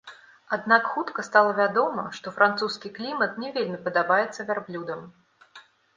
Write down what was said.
Аднак хутка стала вядома, што французскі клімат не вельмі падабаецца вярблюдам.